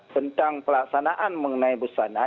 tentang pelaksanaan mengenai busana